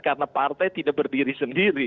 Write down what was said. karena partai tidak berdiri sendiri